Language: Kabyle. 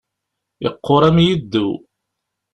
Iqquṛ am yiddew.